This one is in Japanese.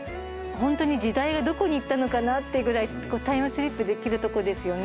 本当に時代がどこに行ったのかなってぐらいタイムスリップできるところですよね